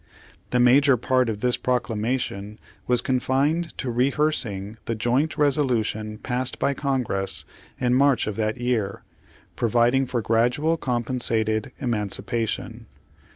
The major part of this proclamation was con fined to rehearsing the joint resolution passed by Congress in March of that year, providing for gradual compensated emiancipation.